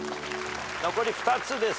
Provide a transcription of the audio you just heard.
残り２つですかね。